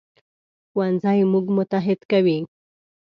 ښوونځی موږ متحد کوي